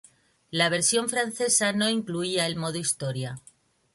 La versión francesa no incluía el modo historia.